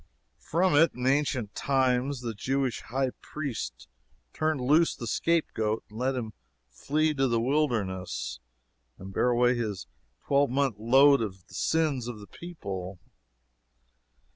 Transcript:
From it, in ancient times, the Jewish High Priest turned loose the scapegoat and let him flee to the wilderness and bear away his twelve month load of the sins of the people.